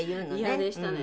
嫌でしたね。